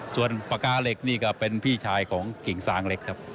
ส่วนปากกาเหล็กนี่ก็เป็นพี่ชายของกิ่งซางเล็กครับ